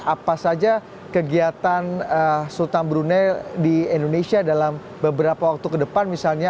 apa saja kegiatan sultan brunei di indonesia dalam beberapa waktu ke depan misalnya